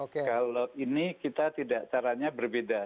kalau ini caranya berbeda